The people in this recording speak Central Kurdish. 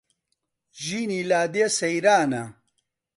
ژینی لادێ سەیرانە